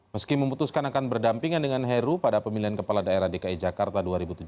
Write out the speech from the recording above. meski memutuskan akan berdampingan dengan heru pada pemilihan kepala daerah dki jakarta dua ribu tujuh belas